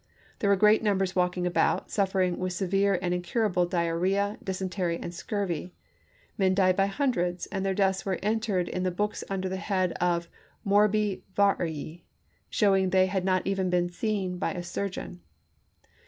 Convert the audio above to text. There were great numbers walking about, suffering with severe and incur able diarrhea, dysentery, and scurvy. Men died by hundreds, and their deaths were entered in the books under the head Morbi varii, showing they Henry had not even been seen by a surgeon.